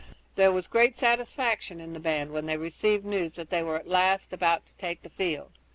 There was great satisfaction in the band when they received news that they were at last about to take the field.